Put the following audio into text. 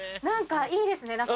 何かいいですね。